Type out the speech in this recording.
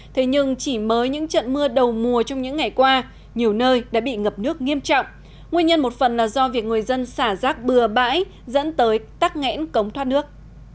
thế nhưng chỉ mới những trận mưa đầu mùa trong những ngày qua nhiều nơi đã bị ngập nước nghiêm trọng nguyên nhân một phần là do việc người dân xả rác bừa bãi dẫn tới tắc nghẽn cống thoát nước